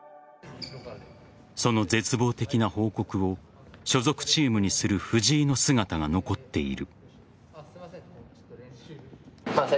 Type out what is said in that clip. その絶望的な報告を所属チームにする藤井の姿が残っている。